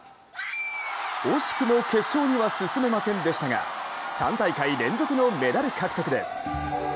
惜しくも決勝には進めませんでしたが３大会連続のメダル獲得です。